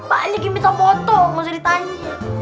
pak aja gimana bisa foto gak usah ditanya